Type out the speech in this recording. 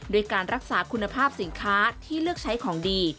ด้วยการรักษาคุณภาพสินค้าที่เลือกใช้ของดี